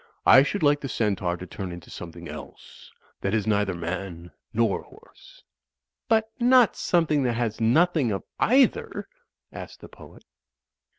I should like the Centaur to turn into something else, that is neither man nor horse." "But not something that has nothing of either?" asked the poet.